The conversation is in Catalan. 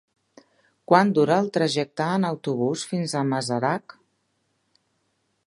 Quant dura el trajecte en autobús fins a Masarac?